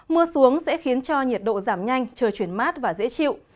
mưa xuống sẽ khiến cho nhiệt độ giảm nhanh trời chuyển mát và dễ chịu